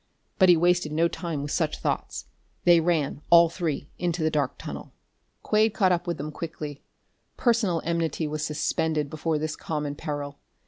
But he wasted no time with such thoughts. They ran, all three, into the dark tunnel. Quade caught up with them quickly. Personal enmity was suspended before this common peril.